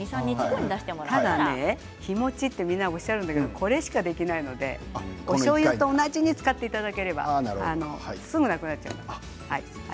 ただね日もちって皆さんおっしゃるけどこれしかできないのでおしょうゆと同じに使っていただければすぐなくなっちゃいます。